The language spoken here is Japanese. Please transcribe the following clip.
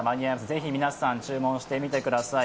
ぜひ皆さん注文してみてください。